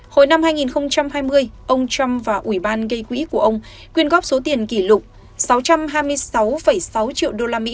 hồi năm hai nghìn hai mươi ông trump và ủy ban gây quỹ của ông quyên góp số tiền kỷ lục sáu trăm hai mươi sáu sáu triệu usd